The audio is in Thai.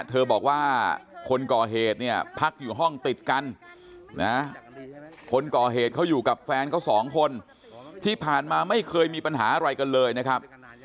เธอบอกว่าคนก่อเหตุเนี่ยพักอยู่ห้องติดกันนะคนก่อเหตุเขาอยู่กับแฟนเขาสองคนที่ผ่านมาไม่เคยมีปัญหาอะไรกันเลยนะครับ